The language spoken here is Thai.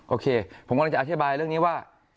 โอเคผมกำลังจะอธิบายเรื่องนี้ว่า